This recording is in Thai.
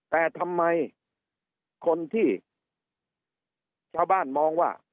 แต่ทำไมคนที่ชาวบ้านมองว่า